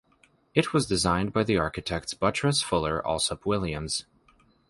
It was designed by the architects Buttress Fuller Alsop Williams.